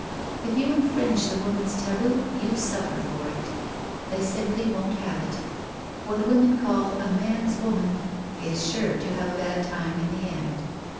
If you infringe the women's taboo you suffer for it. They simply won't have it. What women call a 'man's woman* is sure to have a bad time in the end.